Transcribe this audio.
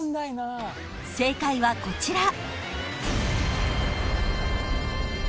［正解はこちら］